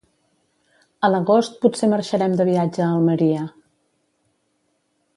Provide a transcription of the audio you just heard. A l'agost potser marxarem de viatge a Almeria.